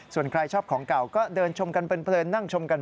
ส่วนใครชอบของเก่าก็เดินชมกันเพลิน